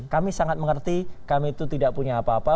kami sangat mengerti kami itu tidak punya apa apa